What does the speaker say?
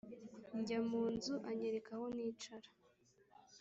Njya mu nzu anyereka aho nicara